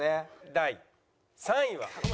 第３位は。